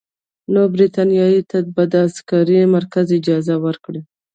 نو برټانیې ته به د عسکري مرکز اجازه ورکړي.